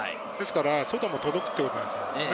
外も届くということなんです。